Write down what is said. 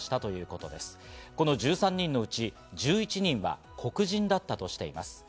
この１３人のうち１１人は黒人だったとしています。